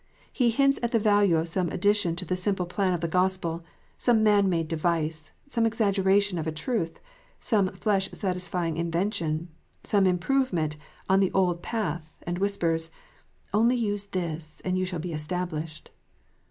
He hints at the value of some addition to the simple plan of the Gospel, some man made device, some exaggeration of a truth, some flesh satisfying invention, some improvement on the old path, and whispers, " Only use this, and you shall be established."